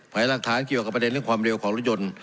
ไผลรักฐานี่กับประเด็นเรื่องความเลวของรุ้นยนต์